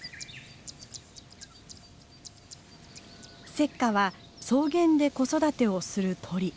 セッカは草原で子育てをする鳥。